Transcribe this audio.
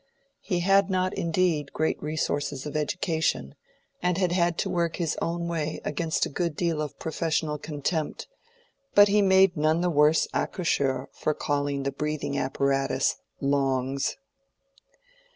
He had not indeed great resources of education, and had had to work his own way against a good deal of professional contempt; but he made none the worse accoucheur for calling the breathing apparatus "longs."